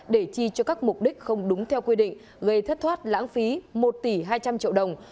để chi cho các mục đích không đúng theo quy định gây thất thoát lãng phí một tỷ hai trăm linh triệu đồng